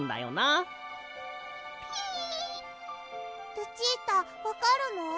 ルチータわかるの？